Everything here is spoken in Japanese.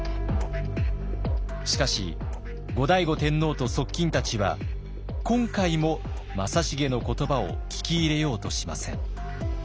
しかし後醍醐天皇と側近たちは今回も正成の言葉を聞き入れようとしません。